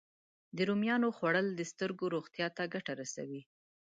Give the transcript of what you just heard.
د رومیانو خوړل د سترګو روغتیا ته ګټه رسوي